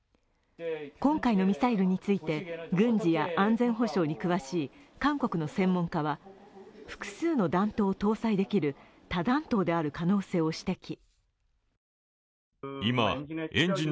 今回のミサイルについて、軍事や安全保障に詳しい韓国の専門家は複数の弾頭を搭載できる多弾頭である可能性を指摘。